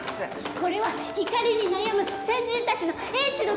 これは怒りに悩む先人たちの英知の結晶ですよ！